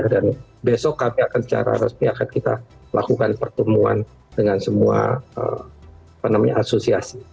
dan besok kami akan secara resmi akan kita lakukan pertemuan dengan semua apa namanya asosiasi